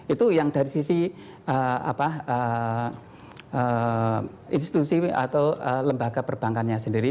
itu yang dari sisi institusi atau lembaga perbankannya sendiri